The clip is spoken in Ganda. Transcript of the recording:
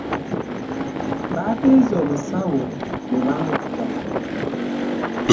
Bateeze omusawo ne bamutta.